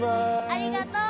ありがとう。